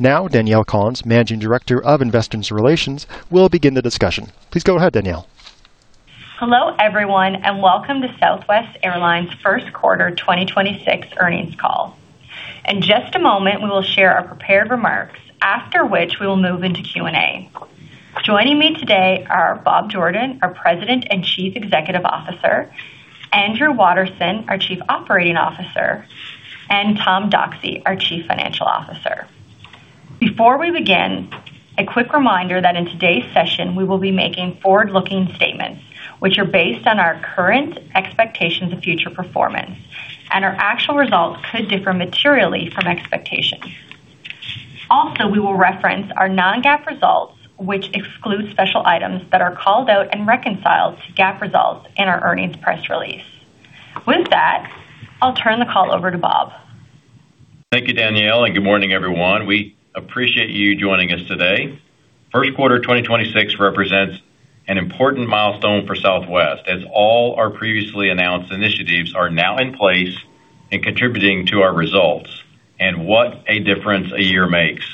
Now Danielle Collins, Managing Director of Investor Relations, will begin the discussion. Please go ahead, Danielle. Hello, everyone, and welcome to Southwest Airlines' first quarter 2026 earnings call. In just a moment, we will share our prepared remarks, after which we will move into Q&A. Joining me today are Bob Jordan, our President and Chief Executive Officer, Andrew Watterson, our Chief Operating Officer, and Tom Doxey, our Chief Financial Officer. Before we begin, a quick reminder that in today's session, we will be making forward-looking statements, which are based on our current expectations of future performance, and our actual results could differ materially from expectations. Also, we will reference our non-GAAP results, which exclude special items that are called out and reconciled to GAAP results in our earnings press release. With that, I'll turn the call over to Bob. Thank you, Danielle, and good morning, everyone. We appreciate you joining us today. First quarter 2026 represents an important milestone for Southwest, as all our previously announced initiatives are now in place and contributing to our results. What a difference a year makes.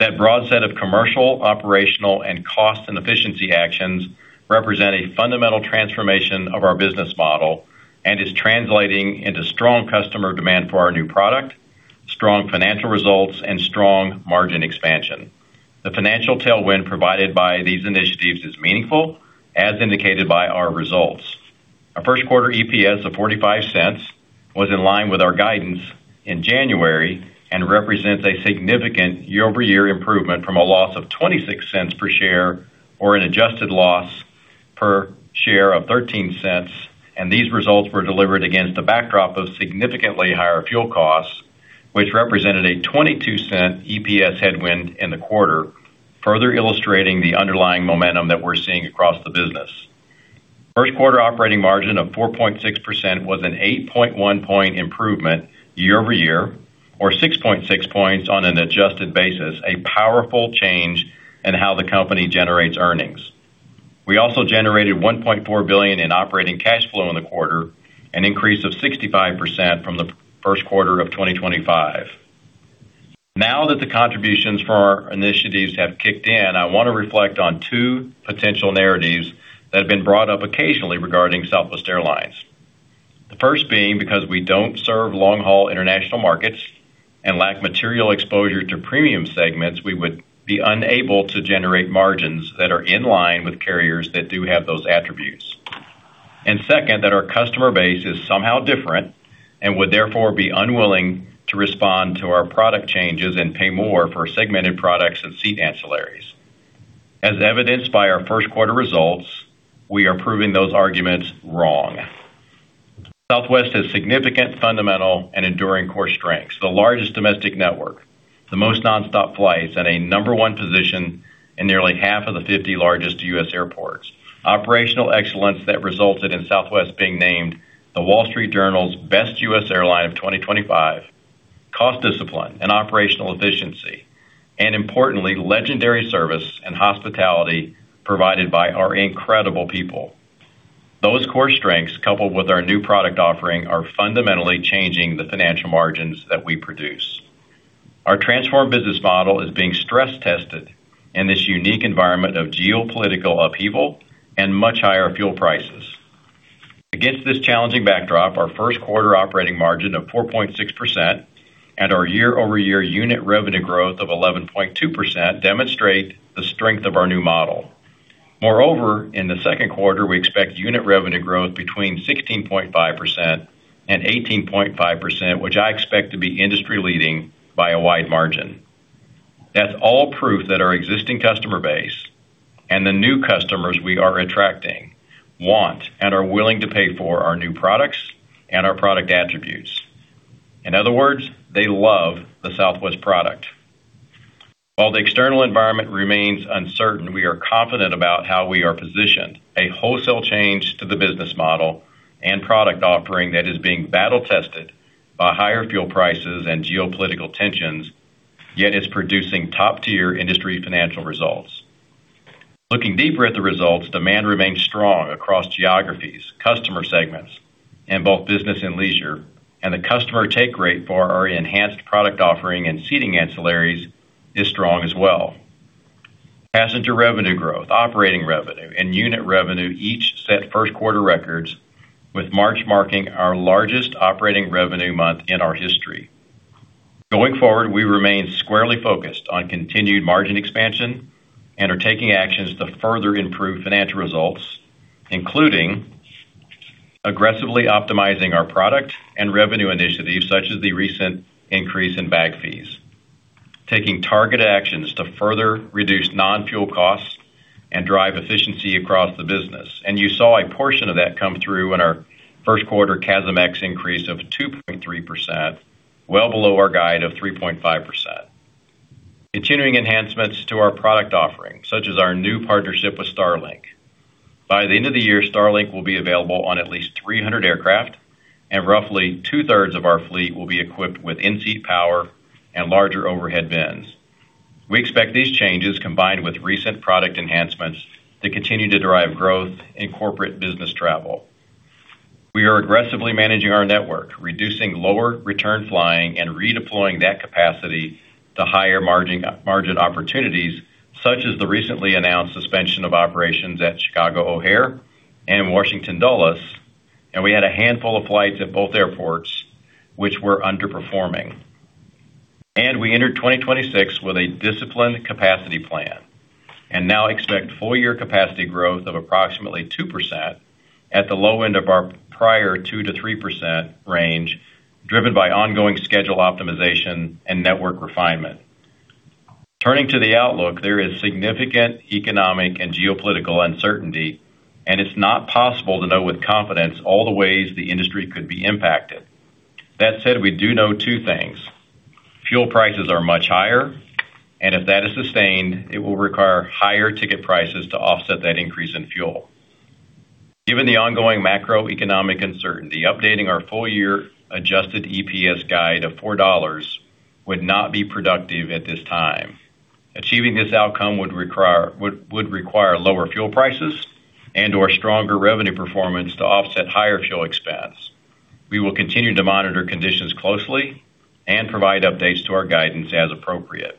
That broad set of commercial, operational, and cost and efficiency actions represent a fundamental transformation of our business model and is translating into strong customer demand for our new product, strong financial results, and strong margin expansion. The financial tailwind provided by these initiatives is meaningful, as indicated by our results. Our first quarter EPS of $0.45 was in line with our guidance in January and represents a significant year-over-year improvement from a loss of $0.26 per share or an adjusted loss per share of $0.13, and these results were delivered against a backdrop of significantly higher fuel costs, which represented a $0.22 EPS headwind in the quarter, further illustrating the underlying momentum that we're seeing across the business. First quarter operating margin of 4.6% was an 8.1-point improvement year-over-year or 6.6 points on an adjusted basis, a powerful change in how the company generates earnings. We also generated $1.4 billion in operating cash flow in the quarter, an increase of 65% from the first quarter of 2025. Now that the contributions from our initiatives have kicked in, I want to reflect on two potential narratives that have been brought up occasionally regarding Southwest Airlines. The first being because we don't serve long-haul international markets and lack material exposure to premium segments, we would be unable to generate margins that are in line with carriers that do have those attributes. Second, that our customer base is somehow different and would therefore be unwilling to respond to our product changes and pay more for segmented products and seat ancillaries. As evidenced by our first quarter results, we are proving those arguments wrong. Southwest has significant fundamental and enduring core strengths, the largest domestic network, the most non-stop flights at a number one position in nearly half of the 50 largest U.S. airports. Operational excellence that resulted in Southwest being named The Wall Street Journal's best U.S. airline of 2025, cost discipline and operational efficiency, and importantly, legendary service and hospitality provided by our incredible people. Those core strengths, coupled with our new product offering, are fundamentally changing the financial margins that we produce. Our transformed business model is being stress tested in this unique environment of geopolitical upheaval and much higher fuel prices. Against this challenging backdrop, our first quarter operating margin of 4.6% and our year-over-year unit revenue growth of 11.2% demonstrate the strength of our new model. Moreover, in the second quarter, we expect unit revenue growth between 16.5% and 18.5%, which I expect to be industry-leading by a wide margin. That's all proof that our existing customer base and the new customers we are attracting want and are willing to pay for our new products and our product attributes. In other words, they love the Southwest product. While the external environment remains uncertain, we are confident about how we are positioned. A wholesale change to the business model and product offering that is being battle-tested by higher fuel prices and geopolitical tensions, yet is producing top-tier industry financial results. Looking deeper at the results, demand remains strong across geographies, customer segments in both business and leisure, and the customer take rate for our enhanced product offering and seating ancillaries is strong as well. Passenger revenue growth, operating revenue, and unit revenue each set first quarter records, with March marking our largest operating revenue month in our history. Going forward, we remain squarely focused on continued margin expansion and are taking actions to further improve financial results, including aggressively optimizing our product and revenue initiatives, such as the recent increase in bag fees, taking target actions to further reduce non-fuel costs and drive efficiency across the business. You saw a portion of that come through in our first quarter CASM-ex increase of 2.3%, well below our guide of 3.5%. Continuing enhancements to our product offering, such as our new partnership with Starlink. By the end of the year, Starlink will be available on at least 300 aircraft, and roughly two-thirds of our fleet will be equipped with in-seat power and larger overhead bins. We expect these changes, combined with recent product enhancements, to continue to drive growth in corporate business travel. We are aggressively managing our network, reducing lower return flying and redeploying that capacity to higher margin opportunities, such as the recently announced suspension of operations at Chicago O'Hare and Washington Dulles, and we had a handful of flights at both airports which were underperforming. We entered 2026 with a disciplined capacity plan and now expect full-year capacity growth of approximately 2% at the low end of our prior 2%-3% range, driven by ongoing schedule optimization and network refinement. Turning to the outlook, there is significant economic and geopolitical uncertainty, and it's not possible to know with confidence all the ways the industry could be impacted. That said, we do know two things. Fuel prices are much higher, and if that is sustained, it will require higher ticket prices to offset that increase in fuel. Given the ongoing macroeconomic uncertainty, updating our full-year adjusted EPS guide of $4 would not be productive at this time. Achieving this outcome would require lower fuel prices and/or stronger revenue performance to offset higher fuel expense. We will continue to monitor conditions closely and provide updates to our guidance as appropriate.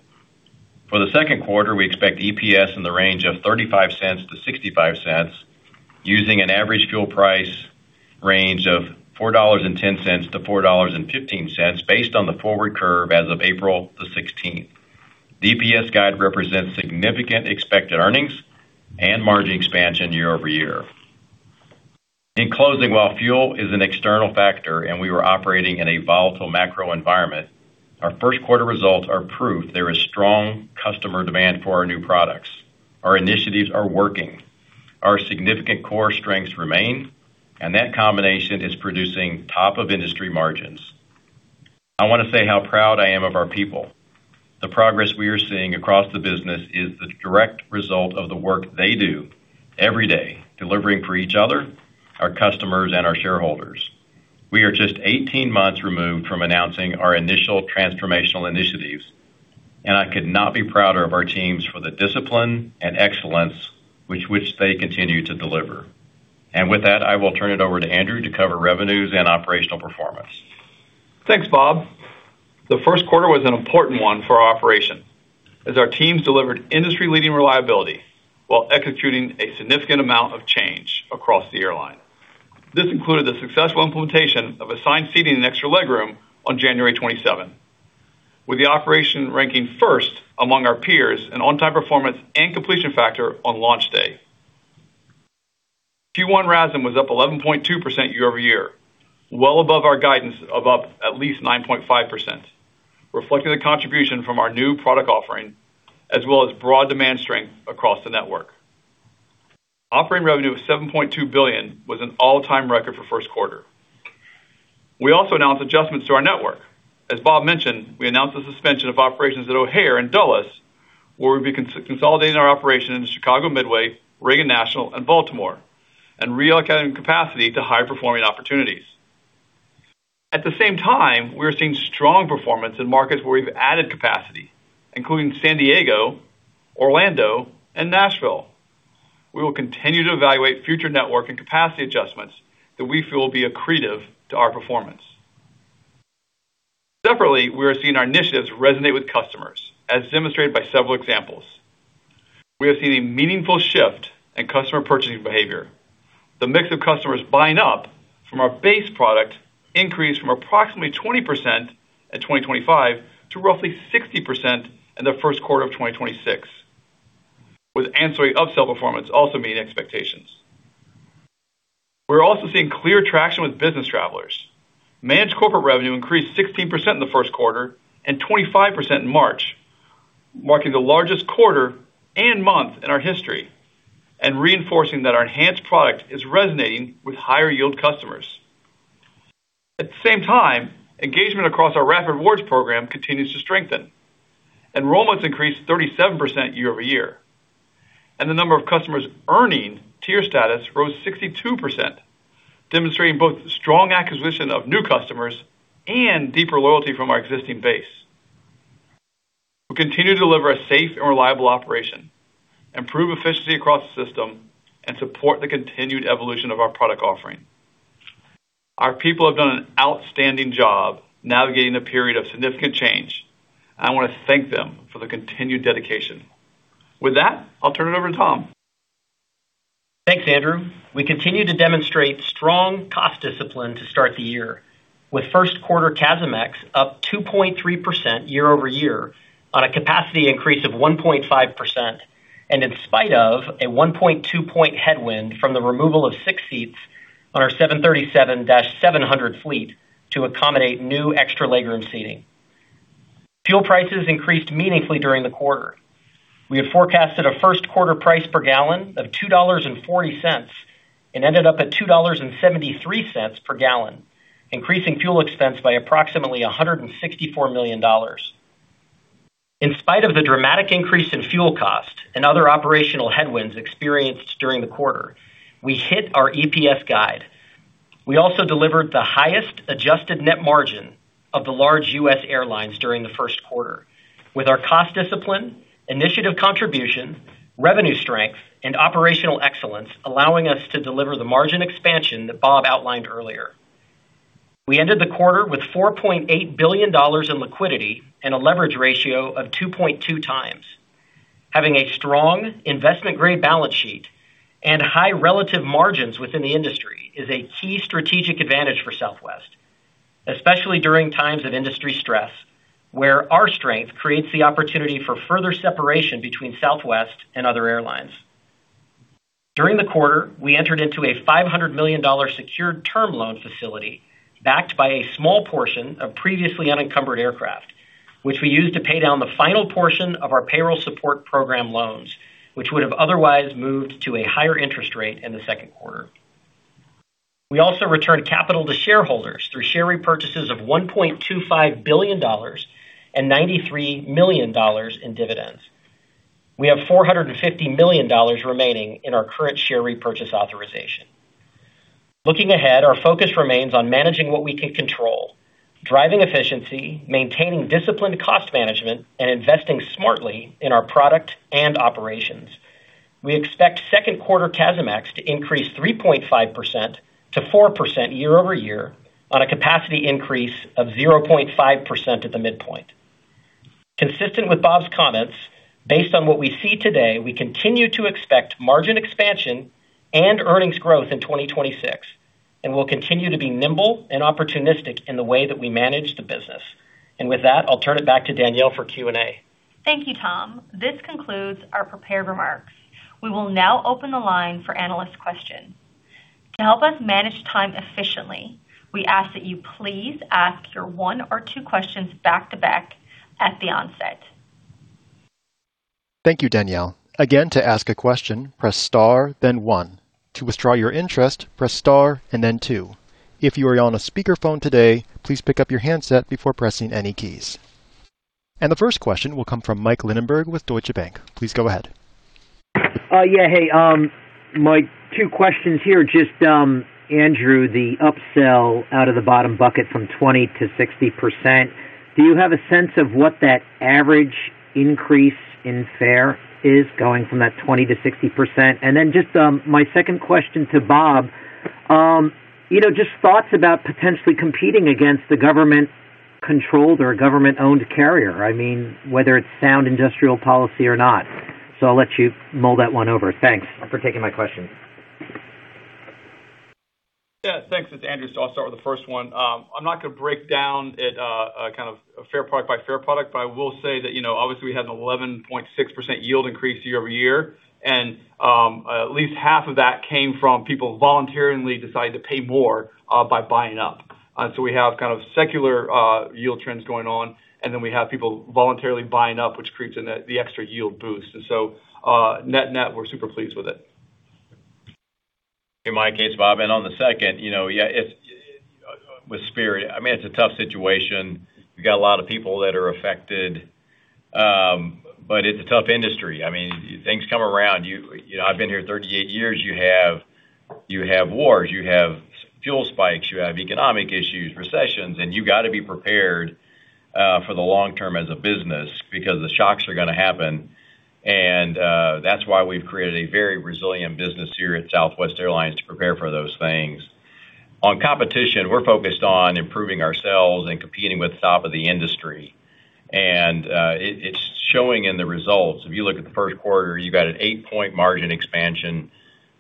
For the second quarter, we expect EPS in the range of $0.35-$0.65, using an average fuel price range of $4.10-$4.15 based on the forward curve as of April 16. The EPS guide represents significant expected earnings and margin expansion year-over-year. In closing, while fuel is an external factor and we were operating in a volatile macro environment, our first quarter results are proof there is strong customer demand for our new products. Our initiatives are working. Our significant core strengths remain, and that combination is producing top of industry margins. I want to say how proud I am of our people. The progress we are seeing across the business is the direct result of the work they do every day, delivering for each other, our customers, and our shareholders. We are just 18 months removed from announcing our initial transformational initiatives, and I could not be prouder of our teams for the discipline and excellence which they continue to deliver. With that, I will turn it over to Andrew to cover revenues and operational performance. Thanks, Bob. The first quarter was an important one for our operation as our teams delivered industry-leading reliability while executing a significant amount of change across the airline. This included the successful implementation of assigned seating and extra legroom on January 27th, with the operation ranking first among our peers in on-time performance and completion factor on launch day. Q1 RASM was up 11.2% year-over-year, well above our guidance of up at least 9.5%, reflecting the contribution from our new product offering, as well as broad demand strength across the network. Operating revenue of $7.2 billion was an all-time record for first quarter. We also announced adjustments to our network. As Bob mentioned, we announced the suspension of operations at O'Hare and Dulles, where we'll be consolidating our operation in Chicago Midway, Reagan National, and Baltimore, and reallocating capacity to high-performing opportunities. At the same time, we are seeing strong performance in markets where we've added capacity, including San Diego, Orlando, and Nashville. We will continue to evaluate future network and capacity adjustments that we feel will be accretive to our performance. Separately, we are seeing our initiatives resonate with customers, as demonstrated by several examples. We are seeing a meaningful shift in customer purchasing behavior. The mix of customers buying up from our base product increased from approximately 20% in 2025 to roughly 60% in the first quarter of 2026, with ancillary upsell performance also meeting expectations. We're also seeing clear traction with business travelers. Managed corporate revenue increased 16% in the first quarter and 25% in March, marking the largest quarter and month in our history and reinforcing that our enhanced product is resonating with higher-yield customers. At the same time, engagement across our Rapid Rewards program continues to strengthen. Enrollments increased 37% year-over-year, and the number of customers earning tier status rose 62%, demonstrating both strong acquisition of new customers and deeper loyalty from our existing base. We continue to deliver a safe and reliable operation, improve efficiency across the system, and support the continued evolution of our product offering. Our people have done an outstanding job navigating a period of significant change. I want to thank them for their continued dedication. With that, I'll turn it over to Tom. Thanks, Andrew. We continue to demonstrate strong cost discipline to start the year, with first quarter CASM ex up 2.3% year-over-year on a capacity increase of 1.5%, and in spite of a 1.2-point headwind from the removal of six seats on our 737-700 fleet to accommodate new extra legroom seating. Fuel prices increased meaningfully during the quarter. We had forecasted a first quarter price per gallon of $2.40 and ended up at $2.73 per gallon, increasing fuel expense by approximately $164 million. In spite of the dramatic increase in fuel cost and other operational headwinds experienced during the quarter, we hit our EPS guide. We also delivered the highest adjusted net margin of the large U.S. airlines during the first quarter. With our cost discipline, initiative contribution, revenue strength, and operational excellence allowing us to deliver the margin expansion that Bob outlined earlier. We ended the quarter with $4.8 billion in liquidity and a leverage ratio of 2.2 times. Having a strong investment-grade balance sheet and high relative margins within the industry is a key strategic advantage for Southwest, especially during times of industry stress, where our strength creates the opportunity for further separation between Southwest and other airlines. During the quarter, we entered into a $500 million secured term loan facility backed by a small portion of previously unencumbered aircraft, which we used to pay down the final portion of our Payroll Support Program loans, which would have otherwise moved to a higher interest rate in the second quarter. We also returned capital to shareholders through share repurchases of $1.25 billion and $93 million in dividends. We have $450 million remaining in our current share repurchase authorization. Looking ahead, our focus remains on managing what we can control, driving efficiency, maintaining disciplined cost management, and investing smartly in our product and operations. We expect second quarter CASM ex to increase 3.5%-4% year over year on a capacity increase of 0.5% at the midpoint. Consistent with Bob's comments, based on what we see today, we continue to expect margin expansion and earnings growth in 2026, and we'll continue to be nimble and opportunistic in the way that we manage the business. With that, I'll turn it back to Danielle for Q&A. Thank you, Tom. This concludes our prepared remarks. We will now open the line for analyst questions. To help us manage time efficiently, we ask that you please ask your one or two questions back-to-back at the onset. Thank you, Danielle. The first question will come from Mike Linenberg with Deutsche Bank. Please go ahead. Yeah. Hey, my two questions here. Just, Andrew, the upsell out of the bottom bucket from 20%-60%, do you have a sense of what that average increase in fare is going from that 20%-60%? Then just my second question to Bob, just thoughts about potentially competing against the government-controlled or government-owned carrier. I mean, whether it's sound industrial policy or not. I'll let you mull that one over. Thanks for taking my questions. Yeah, thanks. It's Andrew, so I'll start with the first one. I'm not going to break it down kind of fare product by fare product, but I will say that, obviously, we had an 11.6% yield increase year-over-year, and at least half of that came from people voluntarily deciding to pay more by buying up. We have kind of secular yield trends going on, and then we have people voluntarily buying up, which creates the extra yield boost. Net-net, we're super pleased with it. In my case, Bob, and on the second, yeah, with Spirit, I mean, it's a tough situation. We've got a lot of people that are affected, but it's a tough industry. I mean, things come around. I've been here 38 years. You have wars, you have fuel spikes, you have economic issues, recessions, and you've got to be prepared for the long term as a business because the shocks are going to happen. That's why we've created a very resilient business here at Southwest Airlines to prepare for those things. On competition, we're focused on improving ourselves and competing with the top of the industry. It's showing in the results. If you look at the first quarter, you've got an 8-point margin expansion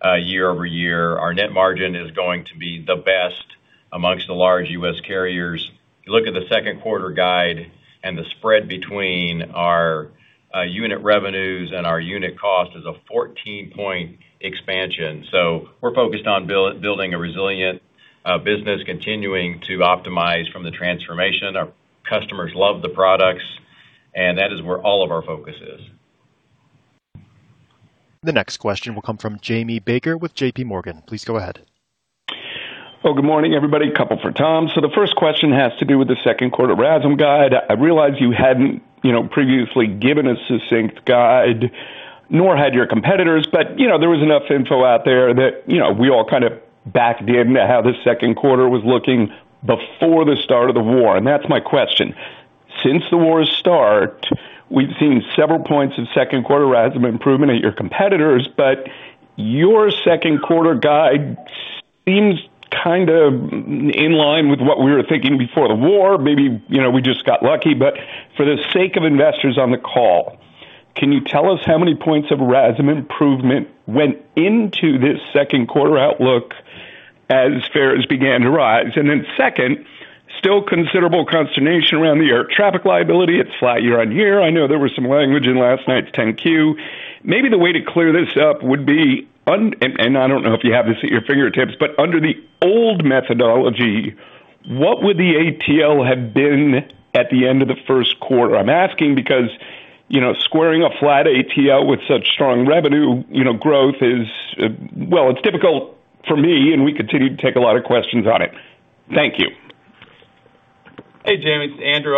year-over-year. Our net margin is going to be the best amongst the large U.S. carriers. If you look at the second quarter guide and the spread between our unit revenues and our unit cost is a 14-point expansion. We're focused on building a resilient business, continuing to optimize from the transformation. Our customers love the products, and that is where all of our focus is. The next question will come from Jamie Baker with JPMorgan. Please go ahead. Well, good morning, everybody. A couple for Tom. The first question has to do with the second quarter RASM guide. I realize you hadn't previously given a succinct guide, nor had your competitors, but there was enough info out there that we all kind of backed into how the second quarter was looking before the start of the war, and that's my question. Since the war's start, we've seen several points of second quarter RASM improvement at your competitors, but your second quarter guide seems kind of in line with what we were thinking before the war. Maybe we just got lucky, but for the sake of investors on the call, can you tell us how many points of RASM improvement went into this second quarter outlook as fares began to rise? Second, still considerable consternation around the Air Traffic Liability. It's flat year-over-year. I know there was some language in last night's 10-Q. Maybe the way to clear this up would be, and I don't know if you have this at your fingertips, but under the old methodology, what would the ATL have been at the end of the first quarter? I'm asking because squaring a flat ATL with such strong revenue growth is, well, it's difficult for me, and we continue to take a lot of questions on it. Thank you. Hey, Jamie. It's Andrew.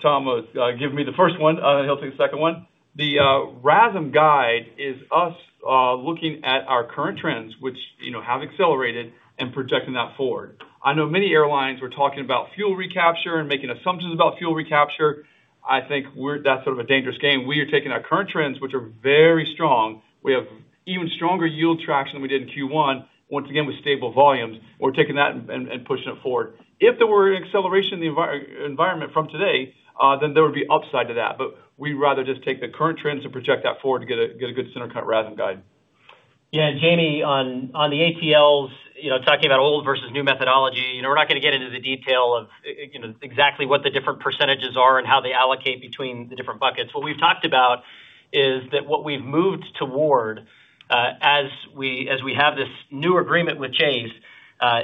Tom, give me the first one. He'll take the second one. The RASM guide is us looking at our current trends, which have accelerated, and projecting that forward. I know many airlines were talking about fuel recapture and making assumptions about fuel recapture. I think that's sort of a dangerous game. We are taking our current trends, which are very strong. We have even stronger yield traction than we did in Q1, once again, with stable volumes. We're taking that and pushing it forward. If there were an acceleration in the environment from today, then there would be upside to that. We'd rather just take the current trends and project that forward to get a good center cut RASM guide. Yeah, Jamie, on the ATL's, talking about old versus new methodology, we're not going to get into the detail of exactly what the different percentages are and how they allocate between the different buckets. What we've talked about is that what we've moved toward, as we have this new agreement with Chase,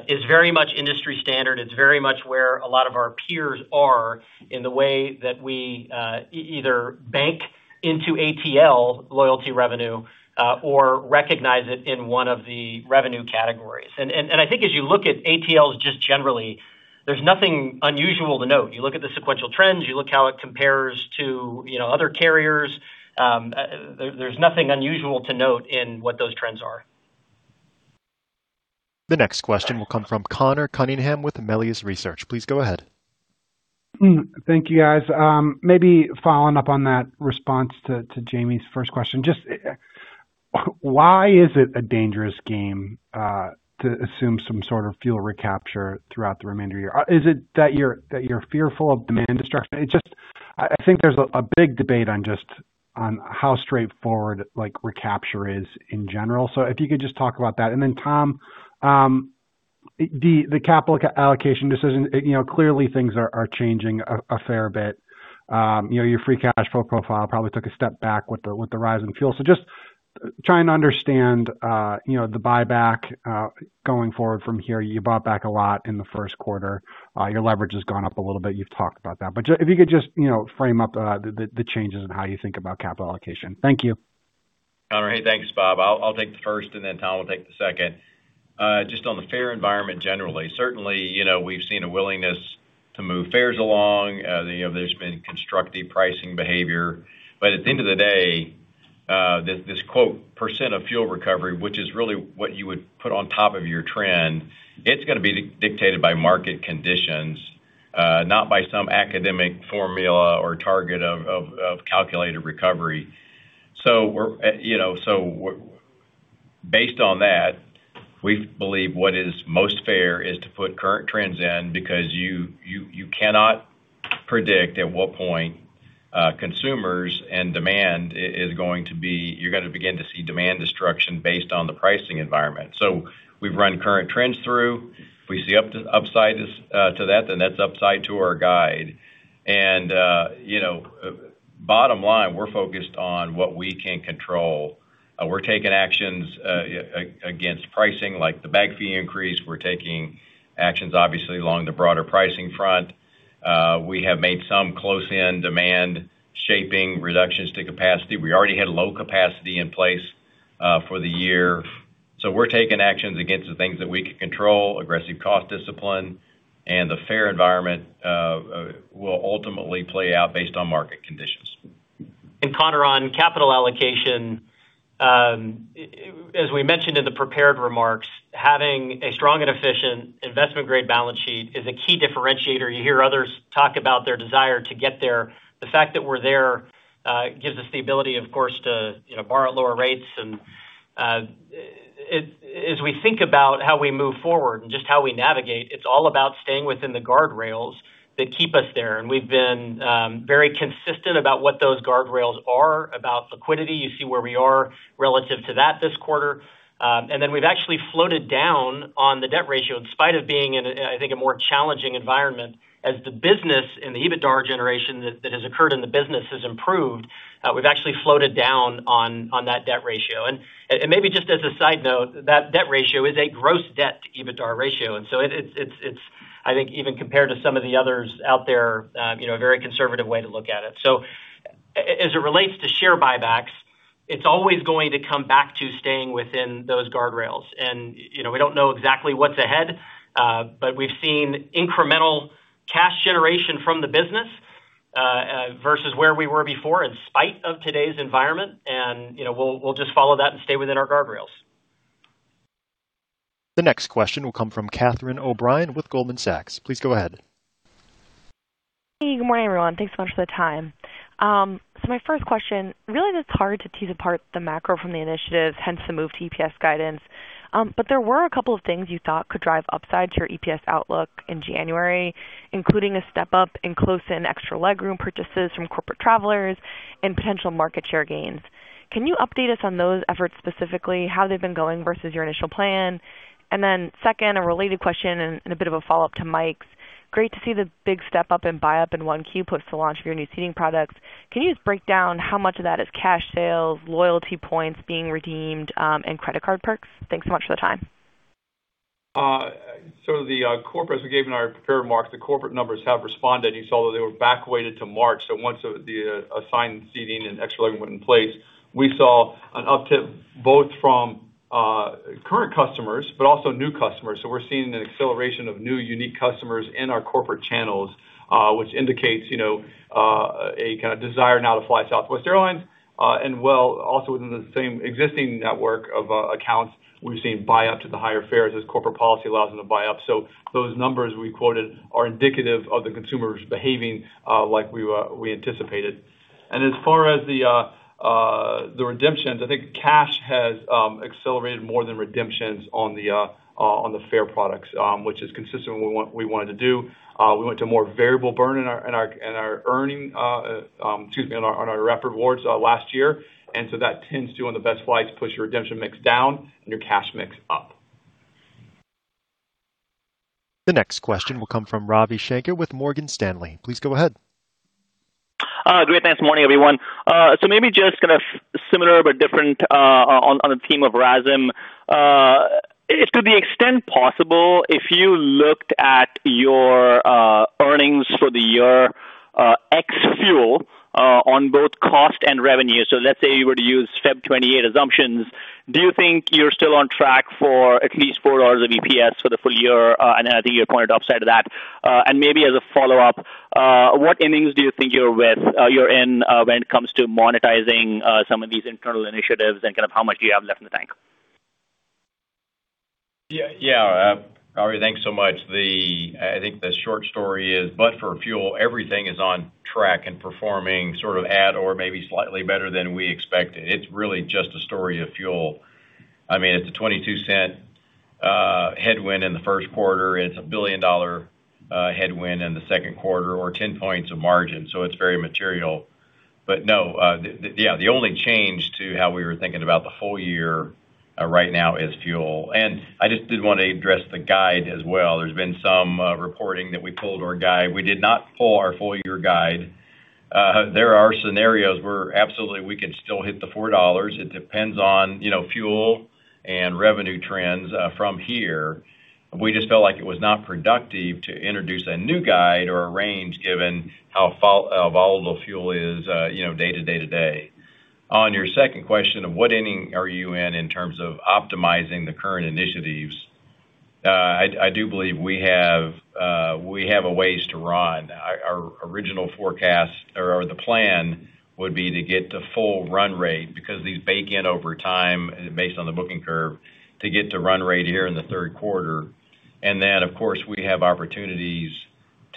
is very much industry standard. It's very much where a lot of our peers are in the way that we either bank into ATL loyalty revenue or recognize it in one of the revenue categories. I think as you look at ATL's just generally, there's nothing unusual to note. You look at the sequential trends, you look how it compares to other carriers. There's nothing unusual to note in what those trends are. The next question will come from Conor Cunningham with Melius Research. Please go ahead. Thank you, guys. Maybe following up on that response to Jamie's first question, just why is it a dangerous game to assume some sort of fuel recapture throughout the remainder of the year? Is it that you're fearful of demand destruction? I think there's a big debate on just how straightforward recapture is in general. If you could just talk about that. Tom, the capital allocation decision, clearly things are changing a fair bit. Your free cash flow profile probably took a step back with the rise in fuel. Just trying to understand the buyback going forward from here. You bought back a lot in the first quarter. Your leverage has gone up a little bit. You've talked about that. If you could just frame up the changes in how you think about capital allocation. Thank you. Conor, hey, thanks, it's Bob. I'll take the first, and then Tom will take the second. Just on the fare environment, generally, certainly, we've seen a willingness to move fares along. There's been constructive pricing behavior. At the end of the day, this "percent of fuel recovery," which is really what you would put on top of your trend, it's going to be dictated by market conditions, not by some academic formula or target of calculated recovery. Based on that, we believe what is most fair is to put current trends in because you cannot predict at what point you're going to begin to see demand destruction based on the pricing environment. We've run current trends through. If we see upside to that, then that's upside to our guide. Bottom line, we're focused on what we can control. We're taking actions against pricing, like the bag fee increase. We're taking actions, obviously, along the broader pricing front. We have made some close-in demand shaping reductions to capacity. We already had low capacity in place for the year. We're taking actions against the things that we can control, aggressive cost discipline, and the fare environment will ultimately play out based on market conditions. Conor, on capital allocation, as we mentioned in the prepared remarks, having a strong and efficient investment-grade balance sheet is a key differentiator. You hear others talk about their desire to get there. The fact that we're there gives us the ability, of course, to borrow at lower rates. As we think about how we move forward and just how we navigate, it's all about staying within the guardrails that keep us there. We've been very consistent about what those guardrails are about liquidity. You see where we are relative to that this quarter. Then we've actually floated down on the debt ratio in spite of being in, I think, a more challenging environment as the business and the EBITDA generation that has occurred in the business has improved. We've actually floated down on that debt ratio. Maybe just as a side note, that debt ratio is a gross debt to EBITDA ratio, and so it's, I think, even compared to some of the others out there, a very conservative way to look at it. As it relates to share buybacks, it's always going to come back to staying within those guardrails. We don't know exactly what's ahead, but we've seen incremental cash generation from the business versus where we were before, in spite of today's environment, and we'll just follow that and stay within our guardrails. The next question will come from Catherine O'Brien with Goldman Sachs. Please go ahead. Hey, good morning, everyone. Thanks so much for the time. My first question, really, it's hard to tease apart the macro from the initiative, hence the move to EPS guidance. There were a couple of things you thought could drive upside to your EPS outlook in January, including a step up in close in extra legroom purchases from corporate travelers and potential market share gains. Can you update us on those efforts specifically, how they've been going versus your initial plan? Second, a related question and a bit of a follow-up to Mike's. Great to see the big step up in buy up in 1Q post the launch of your new seating products. Can you just break down how much of that is cash sales, loyalty points being redeemed, and credit card perks? Thanks so much for the time. The corporate, as we gave in our prepared remarks, the corporate numbers have responded. You saw that they were back weighted to March. Once the assigned seating and extra legroom went in place, we saw an uptick both from current customers, but also new customers. We're seeing an acceleration of new unique customers in our corporate channels, which indicates a kind of desire now to fly Southwest Airlines, and well, also within the same existing network of accounts, we've seen buyups to the higher fares as corporate policy allows them to buy up. Those numbers we quoted are indicative of the consumers behaving like we anticipated. As far as the redemptions, I think cash has accelerated more than redemptions on the fare products, which is consistent with what we wanted to do. We went to more variable burn in our Rapid Rewards last year, and so that tends to, on the best flights, push your redemption mix down and your cash mix up. The next question will come from Ravi Shanker with Morgan Stanley. Please go ahead. Good morning, everyone. Maybe just kind of similar but different on the theme of RASM. To the extent possible, if you looked at your earnings for the year ex fuel on both cost and revenue. Let's say you were to use February 28 assumptions, do you think you're still on track for at least $4 of EPS for the full year? Then I think you're pointing to the upside of that. Maybe as a follow-up, what innings do you think you're in when it comes to monetizing some of these internal initiatives and kind of how much do you have left in the tank? Yeah. Ravi, thanks so much. I think the short story is, but for fuel, everything is on track and performing sort of at or maybe slightly better than we expected. It's really just a story of fuel. It's a $0.22 headwind in the first quarter. It's a $1 billion headwind in the second quarter or 10 points of margin, so it's very material. No, the only change to how we were thinking about the whole year right now is fuel. I just did want to address the guide as well. There's been some reporting that we pulled our guide. We did not pull our full-year guide. There are scenarios where absolutely we could still hit the $4. It depends on fuel and revenue trends from here. We just felt like it was not productive to introduce a new guide or a range given how volatile fuel is day to day to day. On your second question, what inning are you in terms of optimizing the current initiatives? I do believe we have a ways to run. Our original forecast or the plan would be to get to full run rate because these bake in over time based on the booking curve to get to run rate here in the third quarter. Then, of course, we have opportunities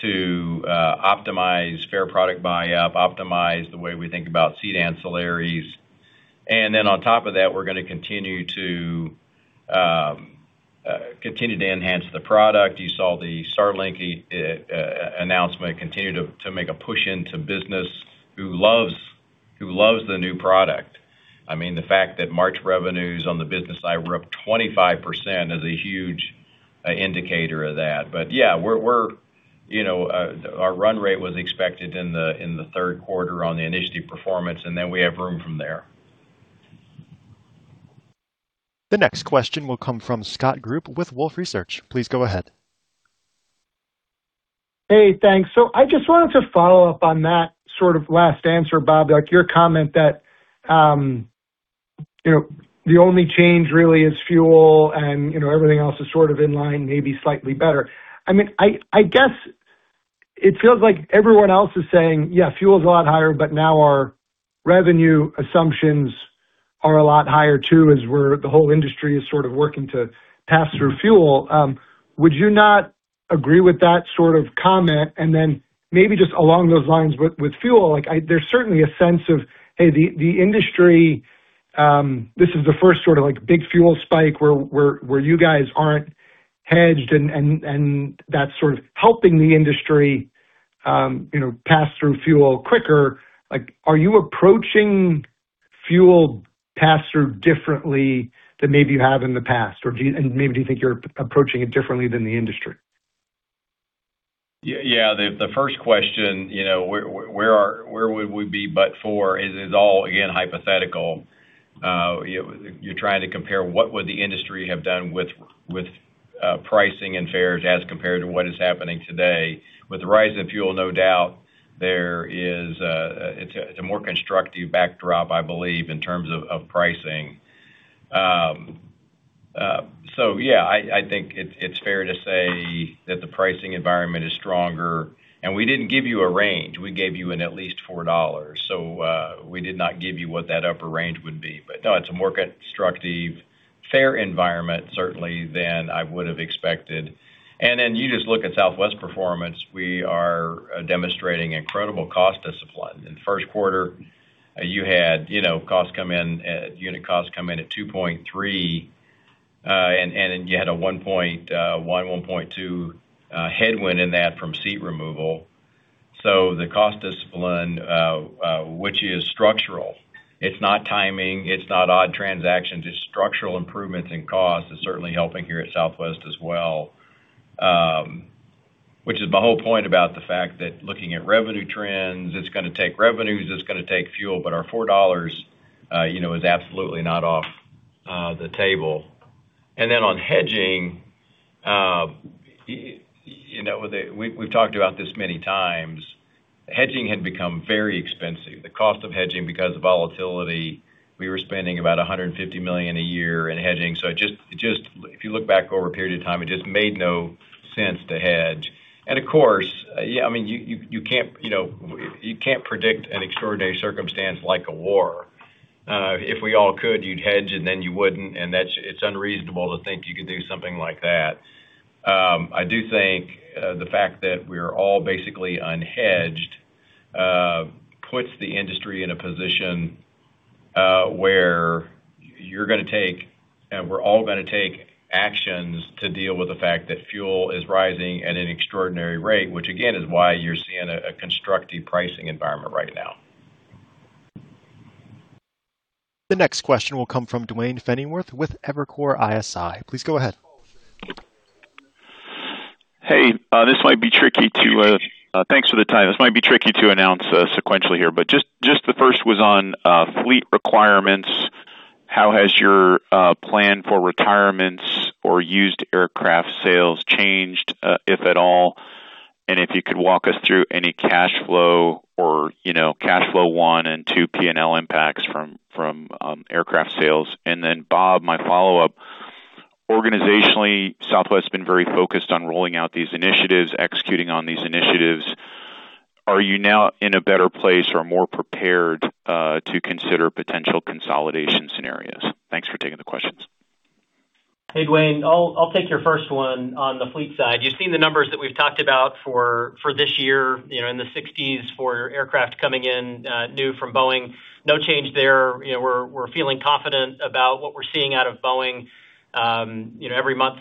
to optimize fare product buy up, optimize the way we think about seat ancillaries. Then on top of that, we're going to continue to enhance the product. You saw the Starlink announcement continue to make a push into business who loves the new product. The fact that March revenues on the business side were up 25% is a huge indicator of that. Yeah, our run rate was expected in the third quarter on the initiative performance, and then we have room from there. The next question will come from Scott Group with Wolfe Research. Please go ahead. Hey, thanks. I just wanted to follow up on that sort of last answer, Bob, your comment that the only change really is fuel and everything else is sort of in line, maybe slightly better. I guess it feels like everyone else is saying, "Yeah, fuel is a lot higher, but now our revenue assumptions are a lot higher, too, as the whole industry is sort of working to pass through fuel." Would you not agree with that sort of comment? Maybe just along those lines with fuel, there's certainly a sense of, hey, the industry, this is the first sort of big fuel spike where you guys aren't hedged, and that's sort of helping the industry pass through fuel quicker. Are you approaching fuel pass-through differently than maybe you have in the past? Maybe do you think you're approaching it differently than the industry? Yeah. The first question, where would we be but for, is all again hypothetical. You're trying to compare what would the industry have done with pricing and fares as compared to what is happening today. With the rise in fuel, no doubt, it's a more constructive backdrop, I believe, in terms of pricing. Yeah, I think it's fair to say that the pricing environment is stronger, and we didn't give you a range. We gave you an at least $4. We did not give you what that upper range would be. No, it's a more constructive fare environment, certainly, than I would have expected. Then you just look at Southwest performance. We are demonstrating incredible cost discipline. In the first quarter, you had unit costs come in at 2.3, and then you had a 1.1.2 headwind in that from seat removal. The cost discipline, which is structural, it's not timing, it's not odd transactions, it's structural improvements in costs is certainly helping here at Southwest as well. Which is my whole point about the fact that looking at revenue trends, it's going to take revenues, it's going to take fuel, but our $4 is absolutely not off the table. On hedging. We've talked about this many times. Hedging had become very expensive, the cost of hedging, because of volatility, we were spending about $150 million a year in hedging. If you look back over a period of time, it just made no sense to hedge. Of course, you can't predict an extraordinary circumstance like a war. If we all could, you'd hedge and then you wouldn't. It's unreasonable to think you could do something like that. I do think the fact that we're all basically unhedged puts the industry in a position where you're going to take, and we're all going to take actions to deal with the fact that fuel is rising at an extraordinary rate, which again, is why you're seeing a constructive pricing environment right now. The next question will come from Duane Pfennigwerth with Evercore ISI. Please go ahead. Hey. Thanks for the time. This might be tricky to answer sequentially here. Just the first was on fleet requirements. How has your plan for retirements or used aircraft sales changed, if at all? If you could walk us through any cash flow or cash flow 1 and 2 P&L impacts from aircraft sales. Bob, my follow-up. Organizationally, Southwest's been very focused on rolling out these initiatives, executing on these initiatives. Are you now in a better place or more prepared to consider potential consolidation scenarios? Thanks for taking the questions. Hey, Duane. I'll take your first one on the fleet side. You've seen the numbers that we've talked about for this year, in the 60s for aircraft coming in new from Boeing. No change there. We're feeling confident about what we're seeing out of Boeing. Every month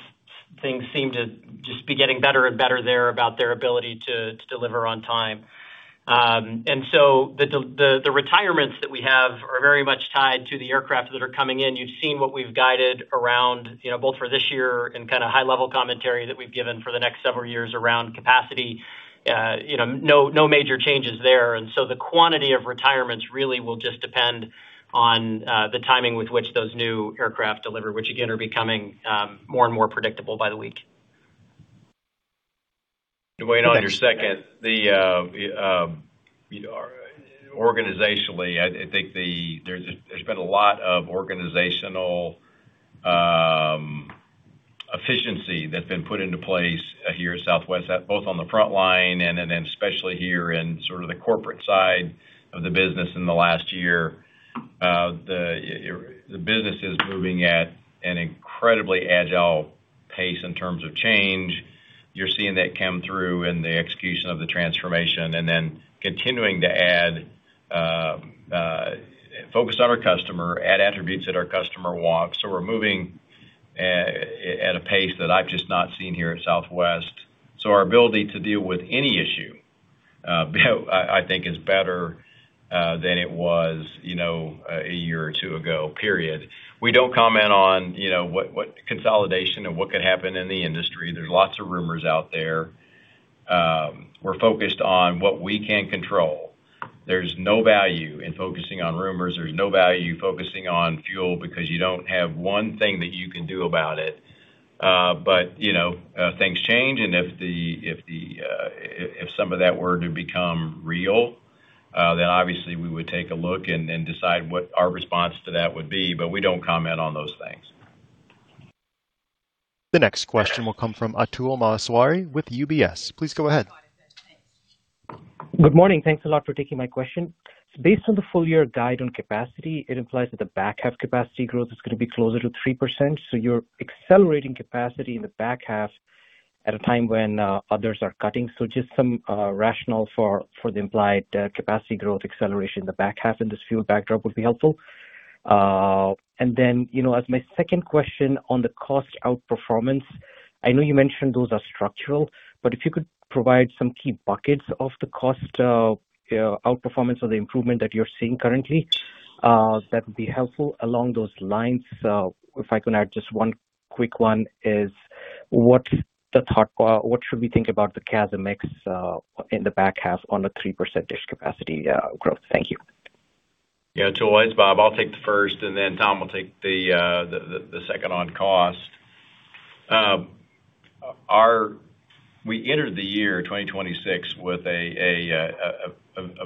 things seem to just be getting better and better there about their ability to deliver on time. The retirements that we have are very much tied to the aircraft that are coming in. You've seen what we've guided around, both for this year and kind of high level commentary that we've given for the next several years around capacity. No major changes there. The quantity of retirements really will just depend on the timing with which those new aircraft deliver, which again, are becoming more and more predictable by the week. Duane, on your second, organizationally, there's been a lot of organizational efficiency that's been put into place here at Southwest, both on the front line and then especially here in sort of the corporate side of the business in the last year. The business is moving at an incredibly agile pace in terms of change. You're seeing that come through in the execution of the transformation and then continuing to add focus on our customer, add attributes that our customer wants. We're moving at a pace that I've just not seen here at Southwest. Our ability to deal with any issue, I think is better than it was a year or two ago, period. We don't comment on consolidation and what could happen in the industry. There's lots of rumors out there. We're focused on what we can control. There's no value in focusing on rumors. There's no value focusing on fuel because you don't have one thing that you can do about it. Things change, and if some of that were to become real, then obviously we would take a look and decide what our response to that would be. We don't comment on those things. The next question will come from Atul Maheshwari with UBS. Please go ahead. Good morning. Thanks a lot for taking my question. Based on the full year guide on capacity, it implies that the back half capacity growth is going to be closer to 3%. You're accelerating capacity in the back half at a time when others are cutting. Just some rationale for the implied capacity growth acceleration in the back half in this yield backdrop would be helpful. Then, as my second question on the cost outperformance, I know you mentioned those are structural, but if you could provide some key buckets of the cost outperformance or the improvement that you're seeing currently, that would be helpful. Along those lines, if I can add just one quick one, what should we think about the CASM mix in the back half on a 3%-ish capacity growth? Thank you. Yeah, Atul. It's Bob. I'll take the first, and then Tom will take the second on cost. We entered the year 2026 with a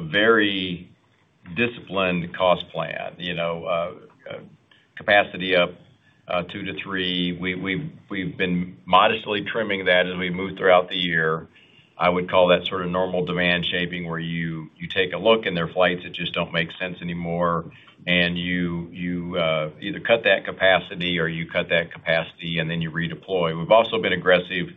very disciplined cost plan. Capacity up 2%-3%. We've been modestly trimming that as we move throughout the year. I would call that sort of normal demand shaping where you take a look and there are flights that just don't make sense anymore and you either cut that capacity or you redeploy. We've also been aggressive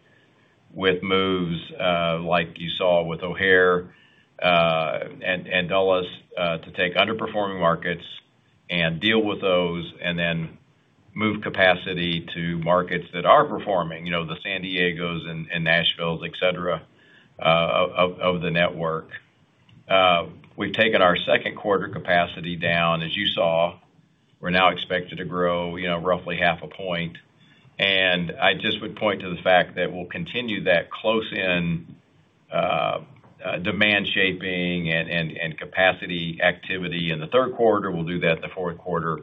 with moves, like you saw with O'Hare and Dulles to take underperforming markets and deal with those and then move capacity to markets that are performing, the San Diegos and Nashvilles, et cetera, of the network. We've taken our second quarter capacity down, as you saw. We're now expected to grow roughly 0.5%, and I just would point to the fact that we'll continue that close-in demand shaping and capacity activity in the third quarter. We'll do that in the fourth quarter.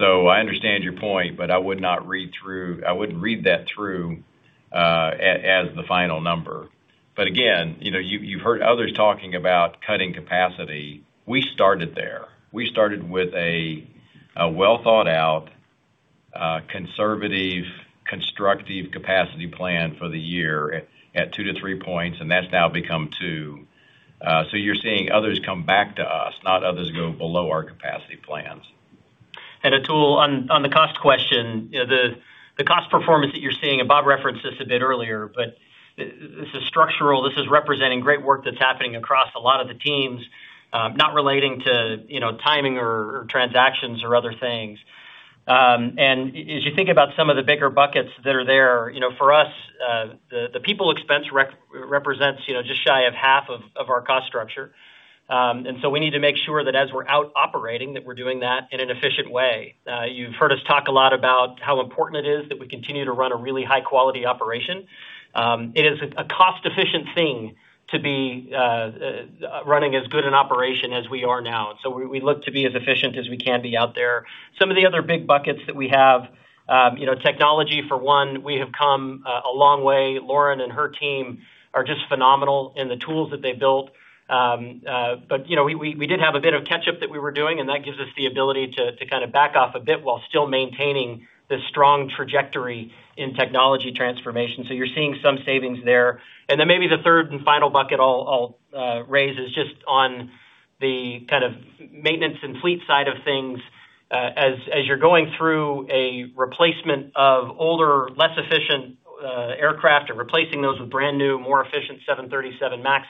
I understand your point, but I wouldn't read that through as the final number. Again, you've heard others talking about cutting capacity. We started there. We started with a well-thought-out, conservative, constructive capacity plan for the year at 2%-3%, and that's now become 2%. You're seeing others come back to us, not others go below our capacity plans. Atul, on the cost question, the cost performance that you're seeing, and Bob referenced this a bit earlier, but this is structural. This is representing great work that's happening across a lot of the teams, not relating to timing or transactions or other things. As you think about some of the bigger buckets that are there, for us, the people expense represents just shy of half of our cost structure. We need to make sure that as we're out operating, that we're doing that in an efficient way. You've heard us talk a lot about how important it is that we continue to run a really high-quality operation. It is a cost-efficient thing to be running as good an operation as we are now. We look to be as efficient as we can be out there. Some of the other big buckets that we have, technology for one, we have come a long way. Lauren and her team are just phenomenal in the tools that they've built. But we did have a bit of catch-up that we were doing, and that gives us the ability to kind of back off a bit while still maintaining the strong trajectory in technology transformation. So you're seeing some savings there. Then maybe the third and final bucket I'll raise is just on the kind of maintenance and fleet side of things. As you're going through a replacement of older, less efficient aircraft and replacing those with brand-new, more efficient 737 MAX,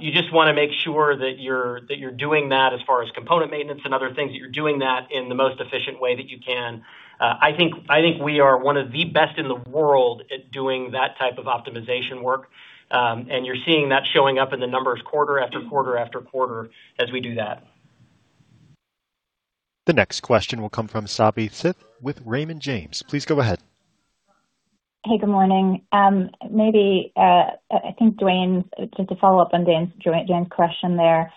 you just want to make sure that you're doing that as far as component maintenance and other things, that you're doing that in the most efficient way that you can. I think we are one of the best in the world at doing that type of optimization work, and you're seeing that showing up in the numbers quarter after quarter after quarter as we do that. The next question will come from Savanthi Syth with Raymond James. Please go ahead. Hey, good morning. Just to follow up on Duane's question there,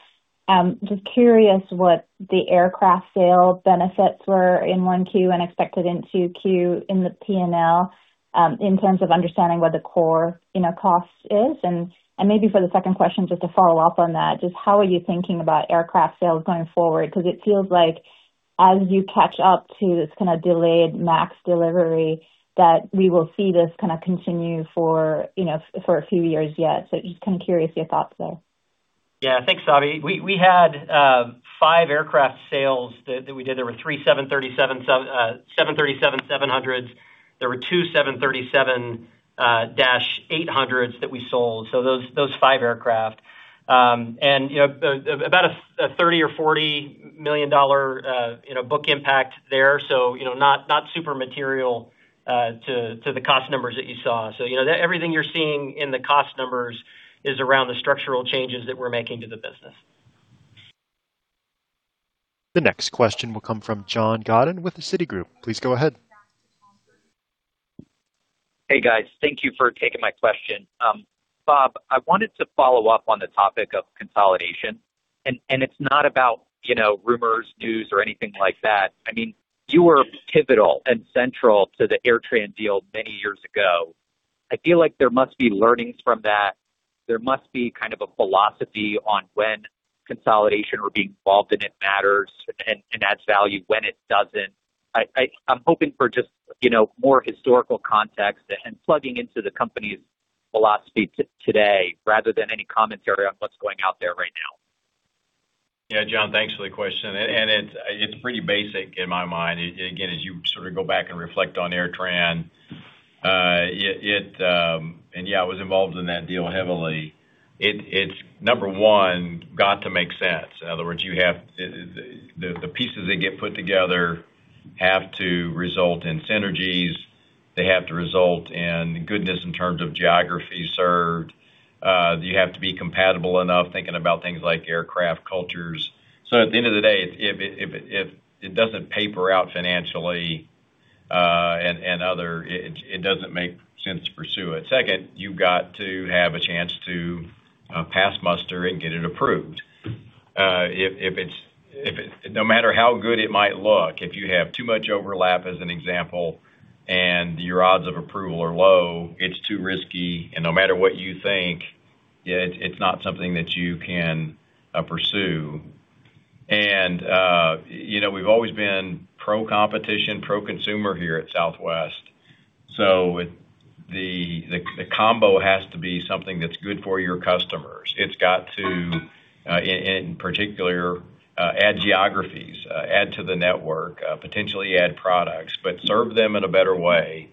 just curious what the aircraft sale benefits were in 1Q and expected in 2Q in the P&L, in terms of understanding what the core cost is. Maybe for the second question, just to follow up on that, just how are you thinking about aircraft sales going forward? Because it feels like as you catch up to this kind of delayed MAX delivery, that we will see this kind of continue for a few years yet. Just kind of curious your thoughts there. Yeah, thanks, Savanthi. We had five aircraft sales that we did. There were 3 737-700s. There were 2 737-800s that we sold. Those five aircraft. And about a $30 million or $40 million book impact there. Not super material to the cost numbers that you saw. Everything you're seeing in the cost numbers is around the structural changes that we're making to the business. The next question will come from John Godyn with Citigroup. Please go ahead. Hey, guys. Thank you for taking my question. Bob, I wanted to follow up on the topic of consolidation, and it's not about rumors, news, or anything like that. You were pivotal and central to the AirTran deal many years ago. I feel like there must be learnings from that. There must be kind of a philosophy on when consolidation or being involved in it matters and adds value, when it doesn't. I'm hoping for just more historical context and plugging into the company's philosophy today rather than any commentary on what's going out there right now. Yeah, John, thanks for the question. It's pretty basic in my mind. Again, as you sort of go back and reflect on AirTran, and yeah, I was involved in that deal heavily. It's number one, got to make sense. In other words, the pieces that get put together have to result in synergies. They have to result in goodness in terms of geography served. You have to be compatible enough, thinking about things like aircraft cultures. At the end of the day, if it doesn't paper out financially, and other, it doesn't make sense to pursue it. Second, you've got to have a chance to pass muster and get it approved. No matter how good it might look, if you have too much overlap as an example, and your odds of approval are low, it's too risky, and no matter what you think, it's not something that you can pursue. We've always been pro-competition, pro-consumer here at Southwest. The combo has to be something that's good for your customers. It's got to, in particular, add geographies, add to the network, potentially add products, but serve them in a better way.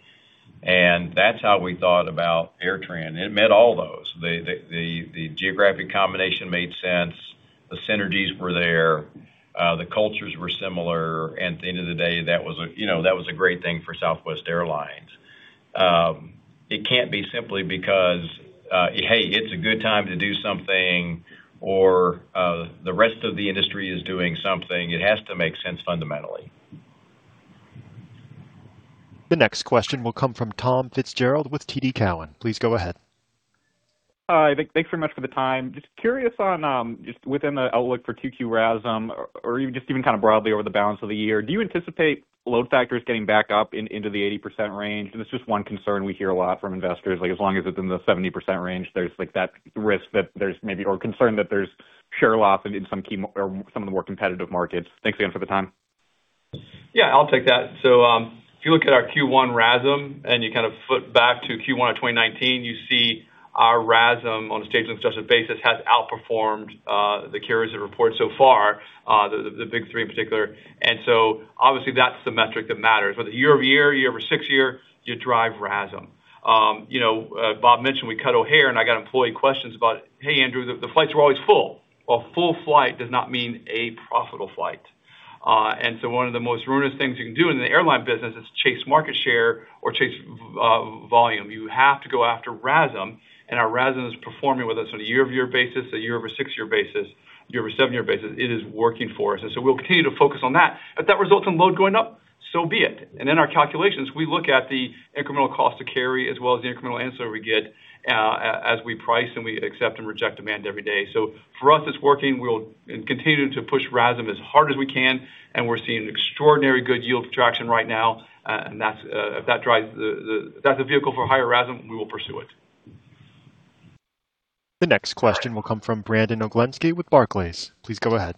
That's how we thought about AirTran. It met all those. The geographic combination made sense. The synergies were there. The cultures were similar, and at the end of the day, that was a great thing for Southwest Airlines. It can't be simply because, hey, it's a good time to do something or the rest of the industry is doing something. It has to make sense fundamentally. The next question will come from Tom Fitzgerald with TD Cowen. Please go ahead. Hi. Thanks very much for the time. Just curious on, just within the outlook for 2Q RASM or just even kind of broadly over the balance of the year, do you anticipate load factors getting back up into the 80% range? It's just one concern we hear a lot from investors, as long as it's in the 70% range, there's that risk that there's maybe or concern that there's share loss in some of the more competitive markets. Thanks again for the time. Yeah, I'll take that. If you look at our Q1 RASM and you kind of flip back to Q1 of 2019, you see our RASM on a stage-adjusted basis has outperformed the carriers that report so far, the big three in particular. Obviously that's the metric that matters, whether year-over-year, year-over-six-year, you drive RASM. Bob mentioned we cut O'Hare and I got employee questions about, "Hey, Andrew, the flights were always full." A full flight does not mean a profitable flight. One of the most ruinous things you can do in the airline business is chase market share or chase volume. You have to go after RASM, and our RASM is performing with us on a year-over-year basis, a year-over-six-year basis, year-over-seven-year basis. It is working for us, and so we'll continue to focus on that. If that results in load going up, so be it. In our calculations, we look at the incremental cost to carry as well as the incremental revenue we get, as we price and we accept and reject demand every day. For us, it's working. We'll continue to push RASM as hard as we can, and we're seeing extraordinarily good yield traction right now, and if that's a vehicle for higher RASM, we will pursue it. The next question will come from Brandon Oglenski with Barclays. Please go ahead.